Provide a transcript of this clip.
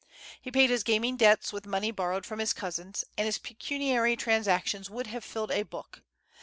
He paid his gaming debts with money borrowed from his cousins, and his pecuniary transactions would have filled a book.